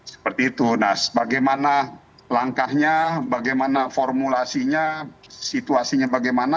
seperti itu nah bagaimana langkahnya bagaimana formulasinya situasinya bagaimana